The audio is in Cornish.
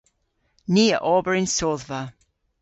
Ni a ober yn sodhva.